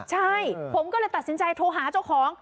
ใช่ผมก็เลยตัดสินใจโทรหาเจ้าของ